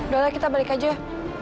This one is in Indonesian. dahlah kita balik aja ya